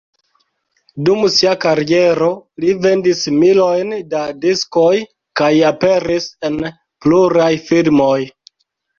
Dum sia kariero li vendis milojn da diskoj kaj aperis en pluraj filmoj.